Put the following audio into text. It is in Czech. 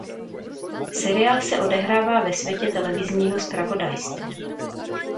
Seriál se odehrává ve světe televizního zpravodajství.